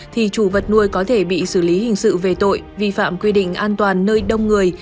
thì chủ vật nuôi có thể bị xử lý hình sự về tội vi phạm quy định an toàn nơi đông người